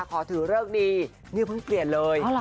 ขอถือเริกนี้เงื่อเพิ่งเปลี่ยนเลย